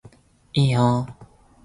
いいよー